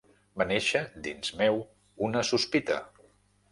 Va néixer dins meu una sospita.